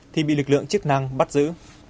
thì bị lực lượng chức năng bắt giữ